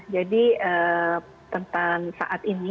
jadi tentang saat ini